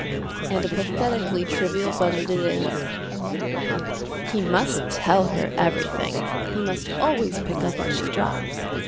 And a pathetically trivial budget it is: "He must tell her everything." "He must always pick up what she drops."